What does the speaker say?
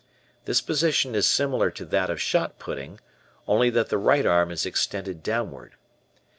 This position is similar to that of shot putting, only that the right arm is extended downward.